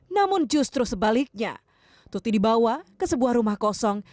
namun justru sebaliknya tuti dibawa ke sebuah rumah kosong